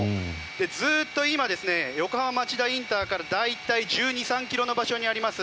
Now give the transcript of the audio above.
ずっと今、横浜町田ＩＣから大体１２１３ｋｍの場所にあります